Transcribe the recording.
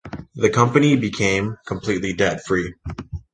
The company became completely debt-free.